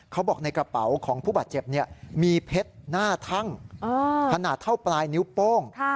เขาบอกในกระเป๋าของผู้บาดเจ็บมีเพชรหน้าทั่งขนาดเท่าปลายนิ้วโป้ง